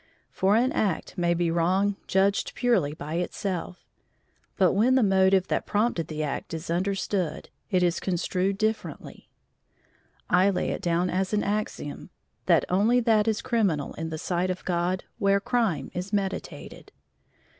For an act may be wrong judged purely by itself, but when the motive that prompted the act is understood, it is construed differently. I lay it down as an axiom, that only that is criminal in the sight of God where crime is meditated.